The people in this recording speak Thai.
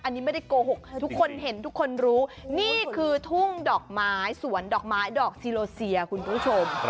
อันนี้ไม่ได้โกหกทุกคนเห็นทุกคนรู้นี่คือทุ่งดอกไม้สวนดอกไม้ดอกซีโลเซียคุณผู้ชม